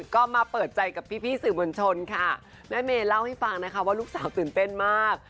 ก็มาเปิดใจกับพี่พี่สื่อมวลชนค่ะแม่เมย์เล่าให้ฟังนะคะว่าลูกสาวตื่นเต้นมาก